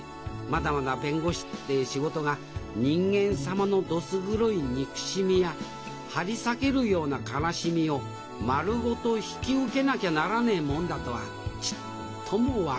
まだまだ弁護士って仕事が人間様のどす黒い憎しみや張り裂けるような悲しみを丸ごと引き受けなきゃならねえもんだとはちっとも分かっておりませんでした